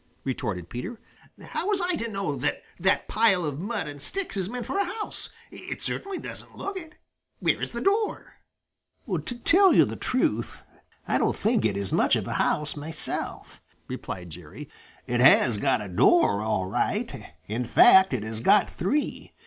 retorted Peter. "How was I to know that that pile of mud and sticks is meant for a house? It certainly doesn't look it. Where is the door?" "To tell you the truth, I don't think it is much of a house myself," replied Jerry. "It has got a door, all right. In fact, it has got three.